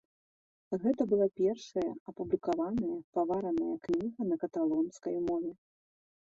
Гэта быў першая апублікаваная павараная кніга на каталонскай мове.